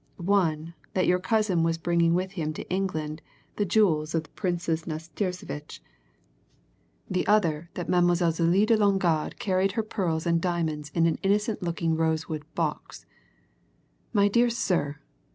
One, that your cousin was bringing with him to England the jewels of the Princess Nastirsevitch. The other, that Mademoiselle Zélie de Longarde carried her pearls and diamonds in an innocent looking rosewood box. My dear sir!